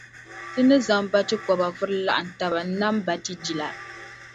Ti ni zaŋ bachikɔba vuri laɣim taba n-nam bachijila.